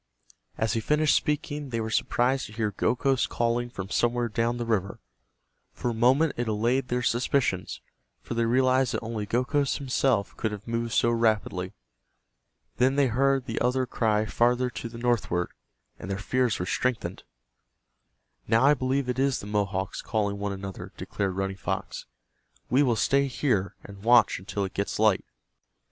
As he finished speaking they were surprised to hear Gokhos calling from somewhere down the river. For a moment it allayed their suspicions, for they realized that only Gokhos himself could have moved so rapidly. Then they heard the other cry farther to the northward, and their fears were strengthened. "Now I believe it is the Mohawks calling one another," declared Running Fox. "We will stay here, and watch until it gets light."